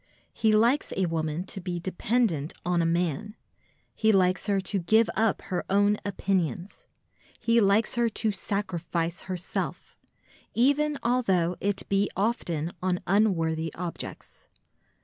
He likes a woman to be dependent on a man; he likes her to give up her own opinions; he likes her to sacrifice herself, even although it be often on unworthy objects.